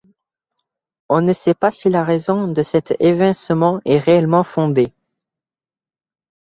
On ne sait pas si la raison de cet évincement est réellement fondée.